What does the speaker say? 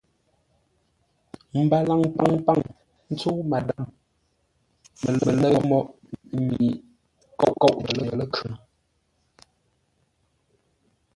Mbalaŋ paŋpaŋ ntsə́u Madâm mələ̂ʉ mǒghʼ mi pə́ nkóʼ cʉŋə ləkhʉŋ.